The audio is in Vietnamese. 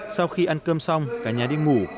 sau khi ăn cơm xong cả nhà đi ngủ